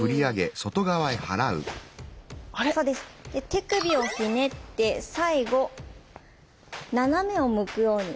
手首をひねって最後斜めをむくように。